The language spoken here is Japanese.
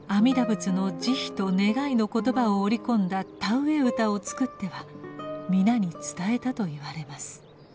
仏の慈悲と願いの言葉を織り込んだ田植え歌を作っては皆に伝えたといわれます。